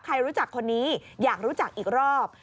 ใครรู้จักคนนี้อยากรู้จักอีกรอบ